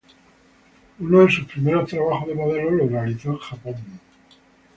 Uno de sus primeros trabajos de modelo lo realizó en Japón.